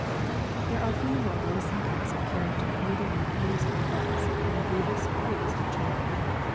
There are few more loathsome types of character either in the East or West than the Buddhist priest of China.